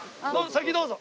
先どうぞ。